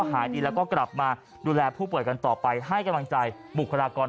หายดีแล้วก็กลับมาดูแลผู้ป่วยกันต่อไปให้กำลังใจบุคลากร